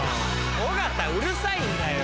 尾形うるさいんだよ。